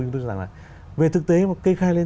chúng tôi rằng là về thực tế mà kê khai lên